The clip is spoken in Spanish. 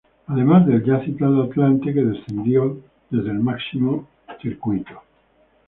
Además del ya citado Atlante que descendió desde el máximo circuito.